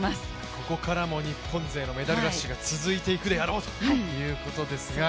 ここからも日本勢のメダルラッシュが続いて行くであろうということですが。